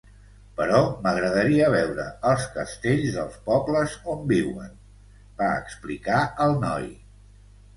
"Però m'agradaria veure els castells dels pobles on viuen" va explicar el noi.